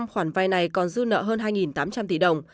một trăm năm mươi năm khoản vai này còn giữ nợ hơn hai tám trăm linh tỷ đồng